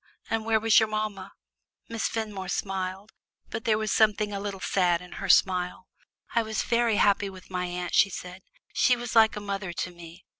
And where was your mamma?" Miss Fenmore smiled, but there was something a little sad in her smile. "I was very happy with my aunt," she said; "she was like a mother to me.